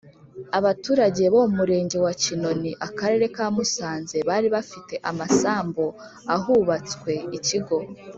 Abaturage Bo Mu Murenge Wa Kinoni Akarere Ka Musanze Bari Bafite Amasambu Ahubatswe Ikigo